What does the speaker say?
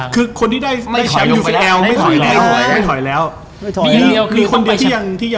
คือคนที่ได้